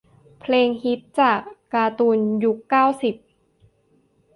เพลงฮิต จากการ์ตูนยุค เก้าสิบ